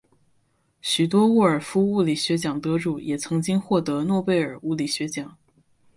许多沃尔夫物理学奖得主也曾经获得诺贝尔物理学奖。